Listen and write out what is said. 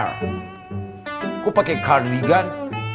kamu pakai kardigan